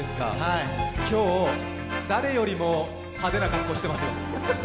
今日、誰よりも派手な格好をしてます。